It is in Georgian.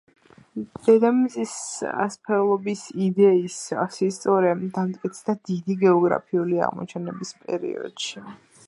დედამიწის სფერულობის იდეის სისწორე დამტკიცდა დიდი გეოგრაფიული აღმოჩენების პერიოდში.